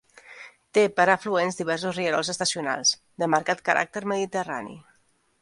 Té per afluents diversos rierols estacionals, de marcat caràcter mediterrani.